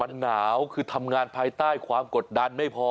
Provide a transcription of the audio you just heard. มันหนาวคือทำงานภายใต้ความกดดันไม่พอ